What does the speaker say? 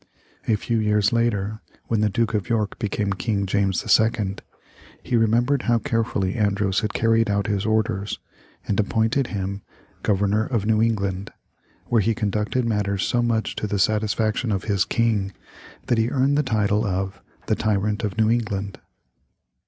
A few years later, when the Duke of York became King James II., he remembered how carefully Andros had carried out his orders, and appointed him Governor of New England; where he conducted matters so much to the satisfaction of his King that he earned the title of "The Tyrant of New England."